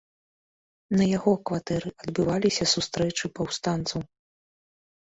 На яго кватэры адбывалі сустрэчы паўстанцаў.